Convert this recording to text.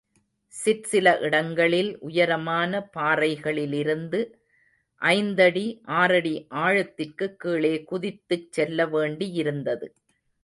சிற்சில இடங்களில் உயரமான பாறைகளிலிருந்து ஐந்தடி, ஆறடி ஆழத்திற்குக் கீழே குதித்துச்செல்ல வேண்டியிருந்தது.